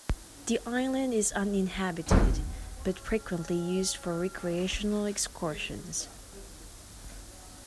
The island is uninhabited, but frequently used for recreational excursions.